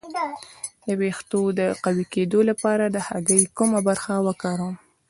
د ویښتو د قوي کیدو لپاره د هګۍ کومه برخه وکاروم؟